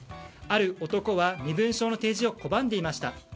ある男は身分証の提示を拒んでいました。